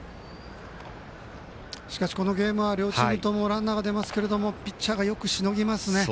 しかしこのゲームは両チームともランナーが出ますがピッチャーがよくしのぎますね。